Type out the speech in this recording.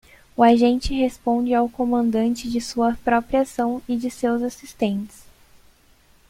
O agente responde ao comandante de sua própria ação e de seus assistentes.